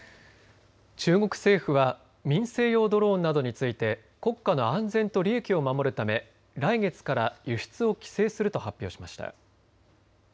中国政府は民生用ドローンなどについて国家の安全と利益を守るため来月から輸出を規制すると発表しました。